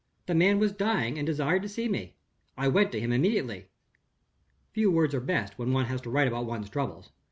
The man was dying, and desired to see me. I went to him immediately. "Few words are best, when one has to write about one's own troubles.